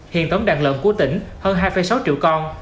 hiện tổng đàn lợn của tỉnh hơn hai sáu triệu con